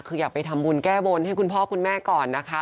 คืออยากไปทำบุญแก้บนให้คุณพ่อคุณแม่ก่อนนะคะ